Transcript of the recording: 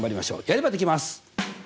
やればできます！